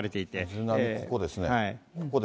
瑞浪、ここですね。